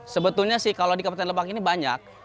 sebetulnya sih kalau di kabupaten lebak ini banyak